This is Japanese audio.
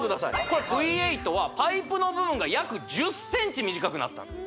これＶ８はパイプの部分が約１０ｃｍ短くなったんです